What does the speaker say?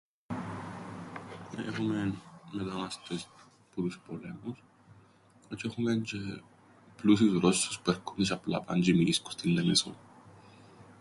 Έχουμεν μετανάστες που τους πολέμους, τζ̆αι έχουμεν τζ̆αι πλούσιους Ρώσσους που έρκουνται τζ̆αι απλά παν τζ̆αι μεινίσκουν στην Λεμεσόν.